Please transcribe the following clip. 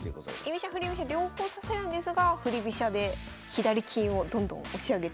居飛車振り飛車両方指せるんですが振り飛車で左金をどんどん押し上げていくみたいな。